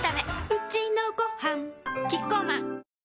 うちのごはんキッコーマン